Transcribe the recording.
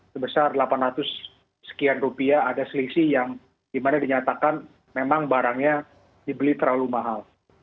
sebesar delapan ratus sekian rupiah ada selisih yang dimana dinyatakan memang barangnya dibeli terlalu mahal